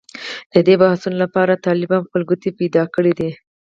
د دې بحثونو لپاره طالب هم خپل ګټې پېدا کړې دي.